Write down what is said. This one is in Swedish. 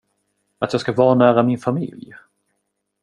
Att jag ska vanära min familj?